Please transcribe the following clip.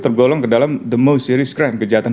tergolong ke dalam the most series crime kejahatan